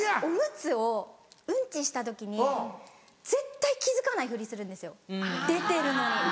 おむつをうんちした時に絶対気付かないふりするんですよ出てるのに。